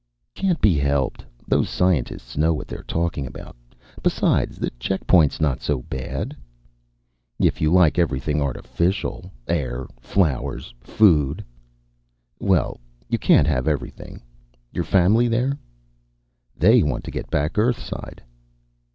"Can't be helped. Those scientists know what they're talking about. Besides, checkpoint's not so bad." "If you like everything artificial ... air, flowers, food...." "Well, you can't have everything. Your family there?" "They want to get back Earthside."